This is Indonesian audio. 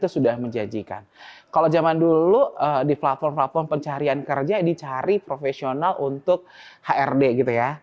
sudah menjanjikan kalau zaman dulu di platform platform pencarian kerja dicari profesional untuk hrd gitu ya